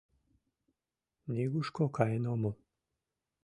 Нигушко каен омыл.